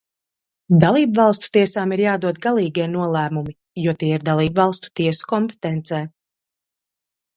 Dalībvalstu tiesām ir jādod galīgie nolēmumi, jo tie ir dalībvalstu tiesu kompetencē.